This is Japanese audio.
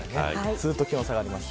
すーっと気温が下がります。